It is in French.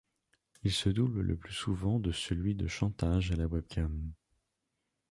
Il se double le plus souvent de celui de chantage à la webcam.